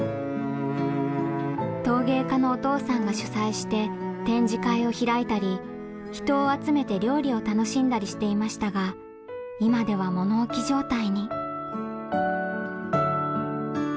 陶芸家のお父さんが主催して展示会を開いたり人を集めて料理を楽しんだりしていましたが今では物置状態に。